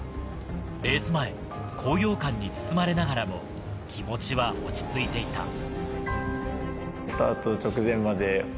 レース前、高揚感に包まれながらも、気持ちは落ち着いていた。